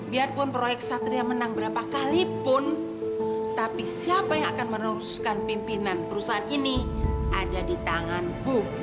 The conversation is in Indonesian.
biarpun proyek satria menang berapa kalipun tapi siapa yang akan meneruskan pimpinan perusahaan ini ada di tanganku